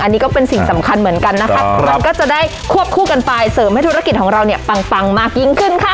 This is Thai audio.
อันนี้ก็เป็นสิ่งสำคัญเหมือนกันนะคะมันก็จะได้ควบคู่กันไปเสริมให้ธุรกิจของเราเนี่ยปังมากยิ่งขึ้นค่ะ